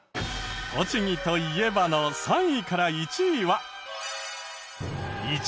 「栃木といえば」の３位から１位は。